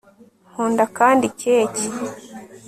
nkunda kandi keke